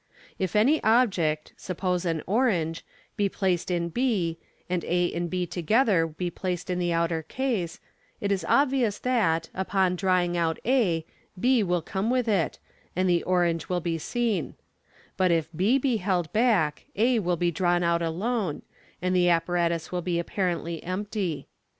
If any object, suppose an orange, be placed in b, and a and b together be placed in the outer case, it is obvious that, upon drawing out <z, b will come with it, and the orange will be seen ; but if b be held back, a will be drawn out alone, and the apparatus will be apparently empty.